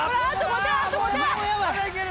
まだいける！